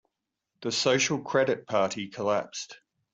The Social Credit Party collapsed.